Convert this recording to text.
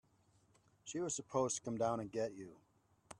She was supposed to come down and get you.